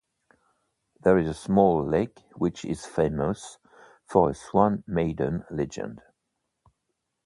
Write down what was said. There is a small lake which is famous for a Swan Maiden legend.